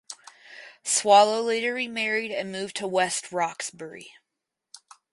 Swallow later remarried and moved to West Roxbury.